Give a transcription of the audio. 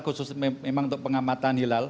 khusus memang untuk pengamatan hilal